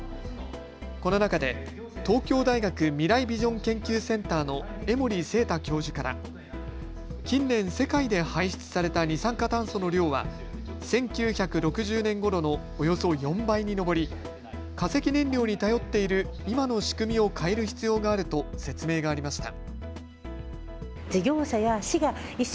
この中で東京大学未来ビジョン研究センターの江守正多教授から近年、世界で排出された二酸化炭素の量は１９６０年ごろのおよそ４倍に上り、化石燃料に頼っている今の仕組みを変える必要があると説明がありました。